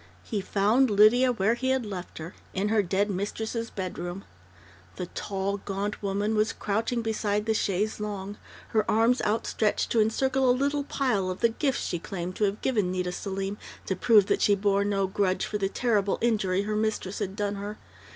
He found Lydia where he had left her in her dead mistress' bedroom. The tall, gaunt woman was crouching beside the chaise longue, her arms outstretched to encircle a little pile of the gifts she claimed to have given Nita Selim to prove that she bore no grudge for the terrible injury her mistress had done her.